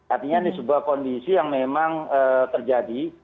artinya ini sebuah kondisi yang memang terjadi